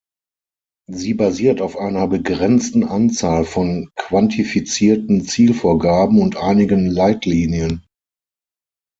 Sie basiert auf einer begrenzten Anzahl von quantifizierten Zielvorgaben und einigen Leitlinien.